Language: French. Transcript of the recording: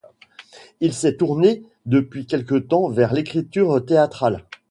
Il s'est tourné depuis quelque temps vers l'écriture théâtrale.